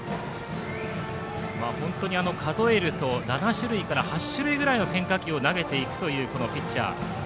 本当に数えると７種類から８種類くらいの変化球を投げていくというピッチャー。